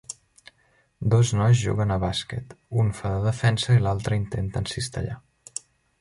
Dos nois juguen a bàsquet, un fa de defensa i l'altre intenta encistellar.